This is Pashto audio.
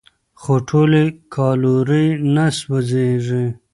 خو ټولې کالورۍ نه سوځېږي.